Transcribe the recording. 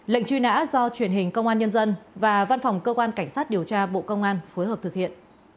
lệnh truy nã do truyền hình công an nhân dân và văn phòng cơ quan cảnh sát điều tra bộ công an phối hợp thực hiện